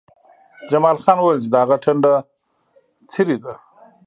جمال خان وویل چې د هغه ټنډه څیرې ده